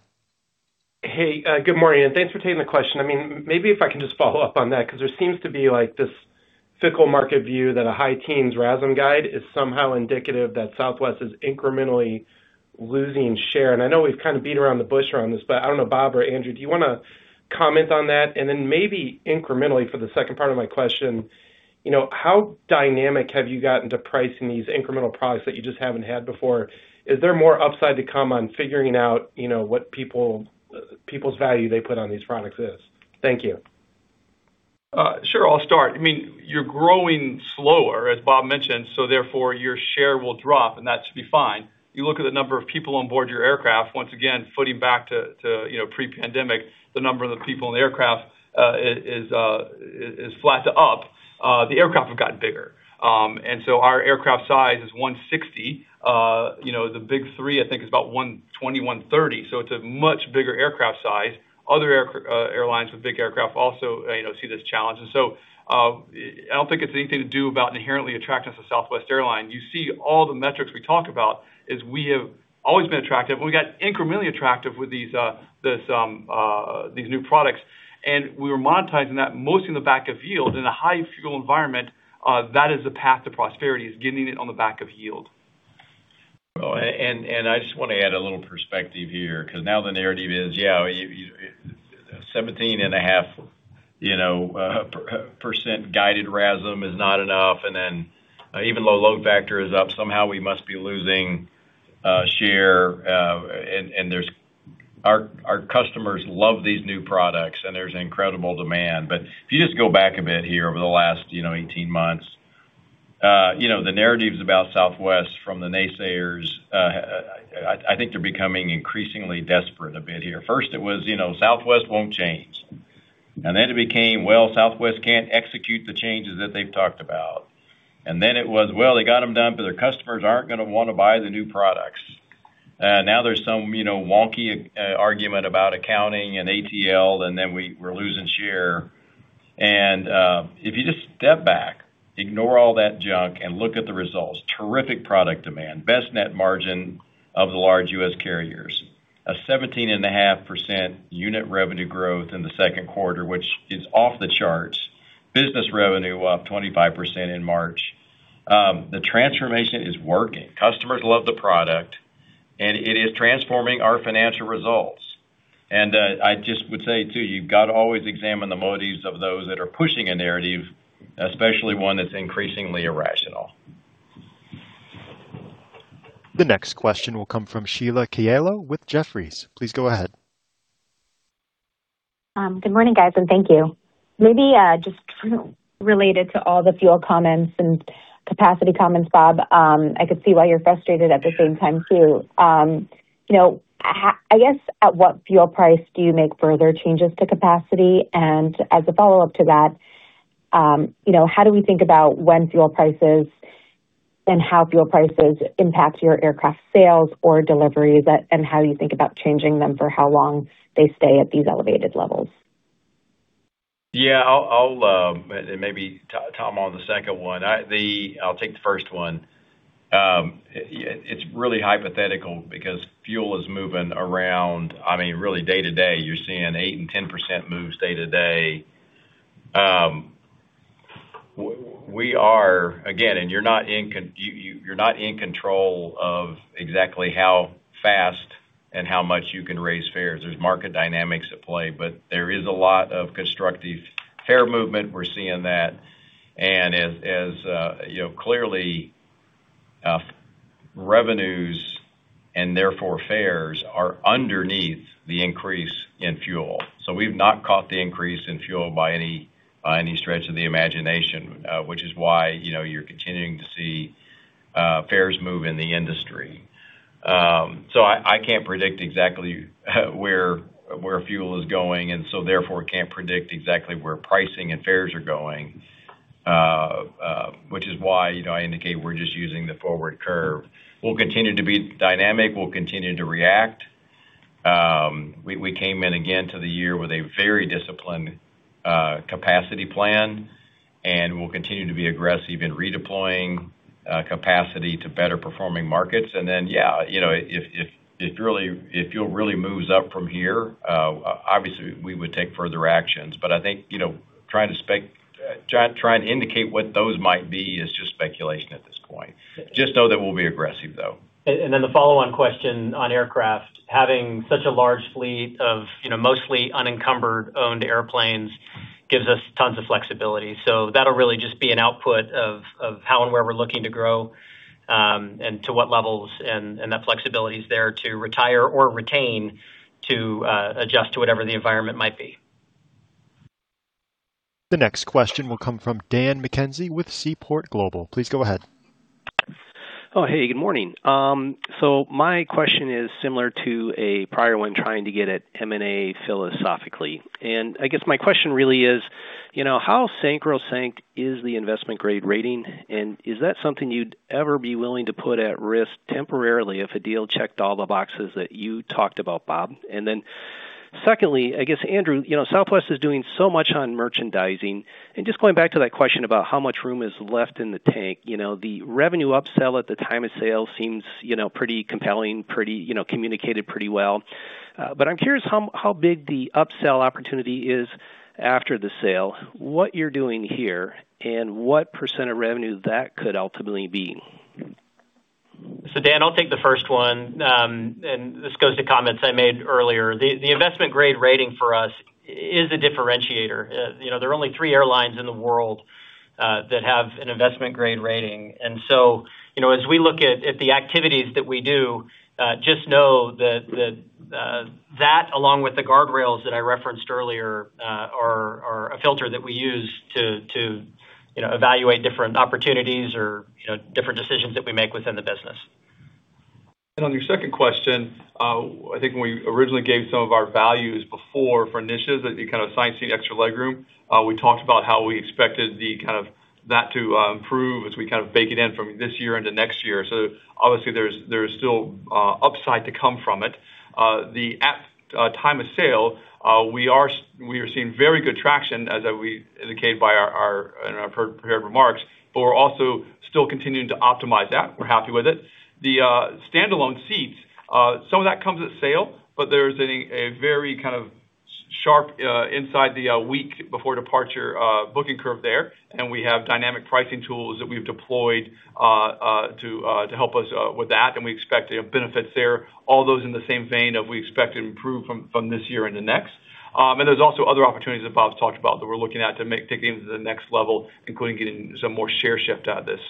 Hey, good morning, and thanks for taking the question. Maybe if I can just follow up on that, because there seems to be this fickle market view that a high teens RASM guide is somehow indicative that Southwest is incrementally losing share. I know we've kind of beat around the bush around this, but I don't know, Bob or Andrew, do you want to comment on that? Maybe incrementally for the second part of my question, how dynamic have you gotten to pricing these incremental products that you just haven't had before? Is there more upside to come on figuring out what people's value they put on these products is? Thank you. Sure. I'll start. You're growing slower, as Bob mentioned, so therefore your share will drop, and that should be fine. You look at the number of people on board your aircraft, once again, looking back to pre-pandemic, the number of the people on the aircraft is flat to up. The aircraft have gotten bigger. Our aircraft size is 160. The big three, I think, is about 120, 130. It's a much bigger aircraft size. Other airlines with big aircraft also see this challenge. I don't think it's anything to do with the inherent attractiveness of Southwest Airlines. You see all the metrics we talk about is we have always been attractive, and we got incrementally attractive with these new products, and we were monetizing that mostly in the back of yield in a high fuel environment. That is the path to prosperity, getting it on the back of yield. I just want to add a little perspective here, because now the narrative is, yeah, 17.5% guided RASM is not enough, and then even low load factor is up, somehow we must be losing share. Our customers love these new products, and there's an incredible demand. If you just go back a bit here over the last 18 months, the narratives about Southwest from the naysayers, I think they're becoming increasingly desperate a bit here. First it was, Southwest won't change, and then it became, well, Southwest can't execute the changes that they've talked about. Then it was, well, they got them done, but their customers aren't going to want to buy the new products. Now there's some wonky argument about accounting and ATL, and then we're losing share. If you just step back, ignore all that junk, and look at the results, terrific product demand, best net margin of the large U.S. carriers. A 17.5% unit revenue growth in the second quarter, which is off the charts. Business revenue up 25% in March. The transformation is working. Customers love the product, and it is transforming our financial results. I just would say, too, you've got to always examine the motives of those that are pushing a narrative, especially one that's increasingly irrational. The next question will come from Sheila Kahyaoglu with Jefferies. Please go ahead. Good morning, guys, and thank you. Maybe just kind of related to all the fuel comments and capacity comments, Bob, I could see why you're frustrated at the same time, too. I guess, at what fuel price do you make further changes to capacity? As a follow-up to that, how do we think about when fuel prices and how fuel prices impact your aircraft sales or deliveries, and how you think about changing them for how long they stay at these elevated levels? Yeah. Maybe Tom on the second one. I'll take the first one. It's really hypothetical because fuel is moving around, really day to day. You're seeing 8% and 10% moves day to day. Again, you're not in control of exactly how fast and how much you can raise fares. There's market dynamics at play, but there is a lot of constructive fare movement. We're seeing that. As clearly, revenues and therefore fares are underneath the increase in fuel. We've not caught the increase in fuel by any stretch of the imagination, which is why you're continuing to see fares move in the industry. I can't predict exactly where fuel is going, and so therefore can't predict exactly where pricing and fares are going, which is why I indicate we're just using the forward curve. We'll continue to be dynamic. We'll continue to react. We came in again to the year with a very disciplined capacity plan, and we'll continue to be aggressive in redeploying capacity to better performing markets. Yeah, if fuel really moves up from here, obviously, we would take further actions. I think, trying to indicate what those might be is just speculation at this point. Just know that we'll be aggressive, though. The follow-on question on aircraft. Having such a large fleet of mostly unencumbered owned airplanes gives us tons of flexibility. That'll really just be an output of how and where we're looking to grow, and to what levels, and that flexibility is there to retire or retain to adjust to whatever the environment might be. The next question will come from Daniel McKenzie with Seaport Global. Please go ahead. Oh, hey, good morning. My question is similar to a prior one trying to get at M&A philosophically. I guess my question really is, how sacrosanct is the investment grade rating? Is that something you'd ever be willing to put at risk temporarily if a deal checked all the boxes that you talked about, Bob? Secondly, I guess, Andrew, Southwest is doing so much on merchandising. Just going back to that question about how much room is left in the tank. The revenue upsell at the time of sale seems pretty compelling, communicated pretty well. But I'm curious how big the upsell opportunity is after the sale, what you're doing here, and what percent of revenue that could ultimately be. Dan, I'll take the first one. This goes to comments I made earlier. The investment-grade rating for us is a differentiator. There are only three airlines in the world that have an investment-grade rating. As we look at the activities that we do, just know that that along with the guardrails that I referenced earlier, are a filter that we use to evaluate different opportunities or different decisions that we make within the business. On your second question, I think when we originally gave some of our values before for initiatives that you kind of size the extra legroom, we talked about how we expected that to improve as we kind of bake it in from this year into next year. Obviously there's still upside to come from it. The at time of sale, we are seeing very good traction as we indicated in our prepared remarks, but we're also still continuing to optimize that. We're happy with it. The standalone seats, some of that comes at sale, but there's a very kind of sharp inside the week before departure booking curve there, and we have dynamic pricing tools that we've deployed to help us with that, and we expect to have benefits there. All those in the same vein of we expect to improve from this year into next. There's also other opportunities that Bob's talked about that we're looking at to take things to the next level, including getting some more share shift out of this.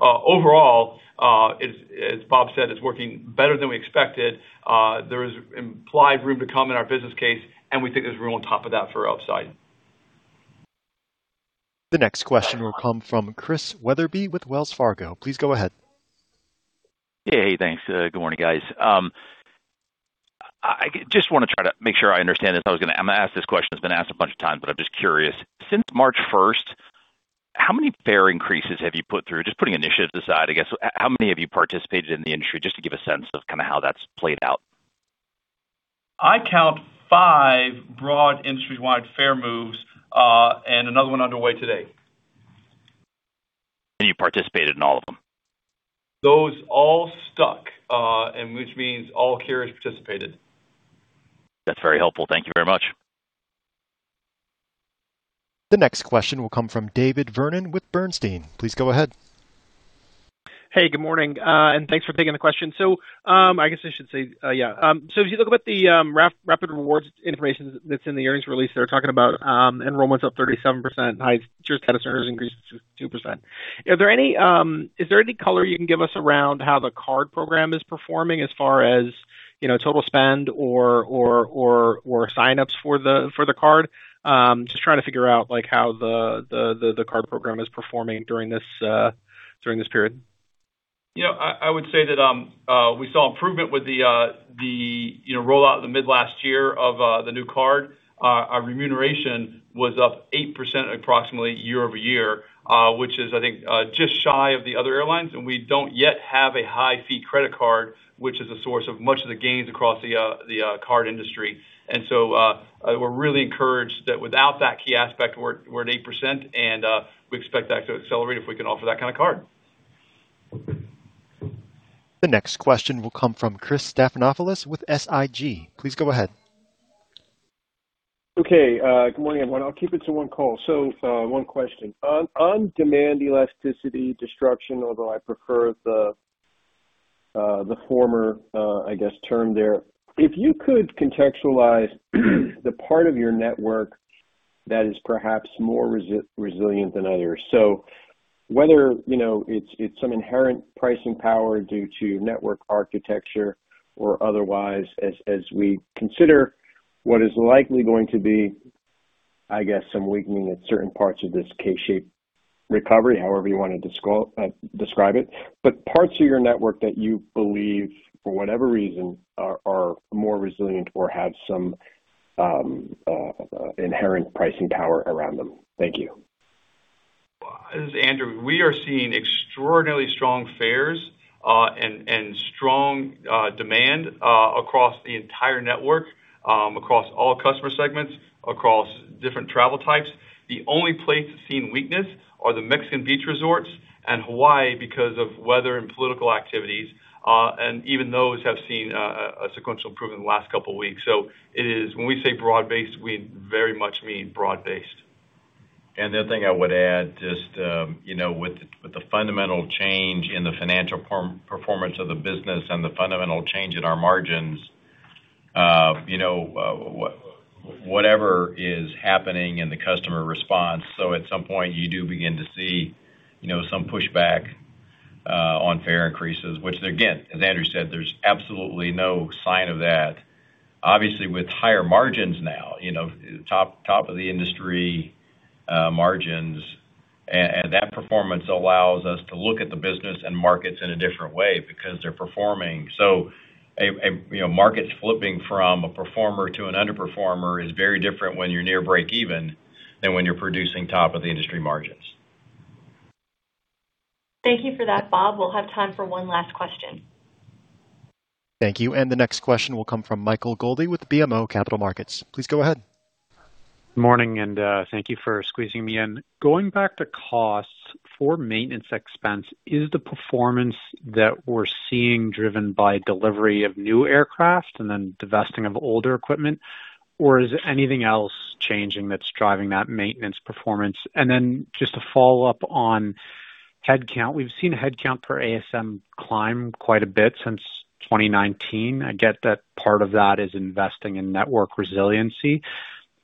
Overall, as Bob said, it's working better than we expected. There is implied room to come in our business case, and we think there's room on top of that for upside. The next question will come from Chris Wetherbee with Wells Fargo. Please go ahead. Yeah. Hey, thanks. Good morning, guys. I just want to try to make sure I understand this. I'm going to ask this question. It's been asked a bunch of times, but I'm just curious. Since March 1st, how many fare increases have you put through? Just putting initiatives aside, I guess, how many have you participated in the industry just to give a sense of kind of how that's played out? I count five broad industry-wide fare moves, and another one underway today. You participated in all of them? Those all stuck, and which means all carriers participated. That's very helpful. Thank you very much. The next question will come from David Vernon with Bernstein. Please go ahead. Hey, good morning, and thanks for taking the question. If you look at the Rapid Rewards information that's in the earnings release, they're talking about enrollments up 37%, high-value customers increased 2%. Is there any color you can give us around how the card program is performing as far as total spend or sign-ups for the card? Just trying to figure out how the card program is performing during this period. I would say that we saw improvement with the rollout in the mid-last year of the new card. Our remuneration was up 8% approximately year-over-year. Which is, I think, just shy of the other airlines, and we don't yet have a high-fee credit card, which is a source of much of the gains across the card industry. We're really encouraged that without that key aspect, we're at 8%, and we expect that to accelerate if we can offer that kind of card. The next question will come from Christopher Stathoulopoulos with SIG. Please go ahead. Good morning, everyone. I'll keep it to one call. One question. On demand elasticity, destruction, although I prefer the former term there. If you could contextualize the part of your network that is perhaps more resilient than others. Whether it's some inherent pricing power due to network architecture or otherwise as we consider what is likely going to be, I guess, some weakening at certain parts of this K-shaped recovery, however you want to describe it. Parts of your network that you believe, for whatever reason, are more resilient or have some inherent pricing power around them. Thank you. This is Andrew. We are seeing extraordinarily strong fares and strong demand across the entire network, across all customer segments, across different travel types. The only place seeing weakness are the Mexican beach resorts and Hawaii because of weather and political activities. Even those have seen a sequential improvement in the last couple of weeks. When we say broad-based, we very much mean broad-based. The other thing I would add, just with the fundamental change in the financial performance of the business and the fundamental change in our margins, whatever is happening in the customer response, so at some point you do begin to see some pushback on fare increases, which again, as Andrew said, there's absolutely no sign of that. Obviously, with higher margins now, top of the industry margins, and that performance allows us to look at the business and markets in a different way because they're performing. Markets flipping from a performer to an underperformer is very different when you're near breakeven than when you're producing top of the industry margins. Thank you for that, Bob. We'll have time for one last question. Thank you. The next question will come from Michael Goldie with BMO Capital Markets. Please go ahead. Morning, and thank you for squeezing me in. Going back to costs for maintenance expense, is the performance that we're seeing driven by delivery of new aircraft and then divesting of older equipment? Or is anything else changing that's driving that maintenance performance? Just to follow up on headcount, we've seen headcount for ASM climb quite a bit since 2019. I get that part of that is investing in network resiliency.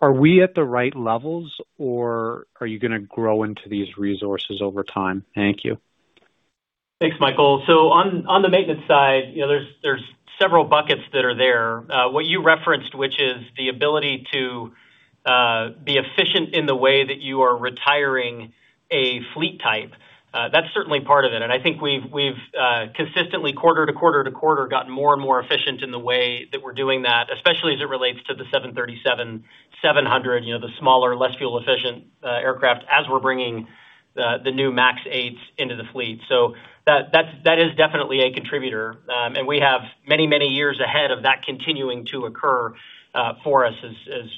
Are we at the right levels or are you going to grow into these resources over time? Thank you. Thanks, Michael. On the maintenance side, there's several buckets that are there. What you referenced, which is the ability to be efficient in the way that you are retiring a fleet type, that's certainly part of it. I think we've consistently quarter to quarter to quarter, gotten more and more efficient in the way that we're doing that, especially as it relates to the 737-700, the smaller, less fuel-efficient aircraft, as we're bringing the new MAX 8s into the fleet. That is definitely a contributor, and we have many, many years ahead of that continuing to occur for us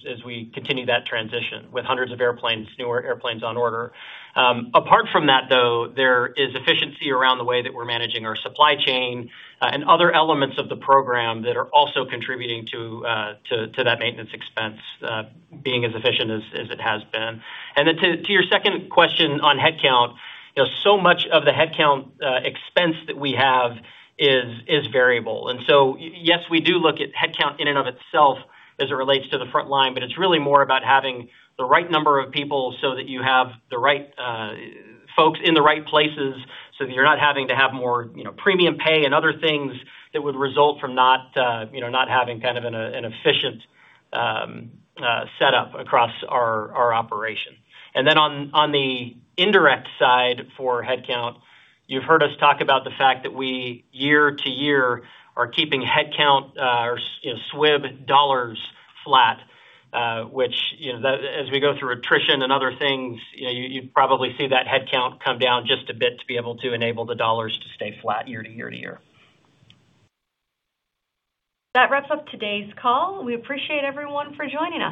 as we continue that transition with hundreds of airplanes, newer airplanes on order. Apart from that, though, there is efficiency around the way that we're managing our supply chain and other elements of the program that are also contributing to that maintenance expense being as efficient as it has been. To your second question on headcount, so much of the headcount expense that we have is variable. Yes, we do look at headcount in and of itself as it relates to the front line, but it's really more about having the right number of people so that you have the right folks in the right places, so that you're not having to have more premium pay and other things that would result from not having kind of an efficient setup across our operation. On the indirect side for headcount, you've heard us talk about the fact that we, year-to-year, are keeping headcount or SWIB dollars flat, which as we go through attrition and other things, you probably see that headcount come down just a bit to be able to enable the dollars to stay flat year to year to year. That wraps up today's call. We appreciate everyone for joining us.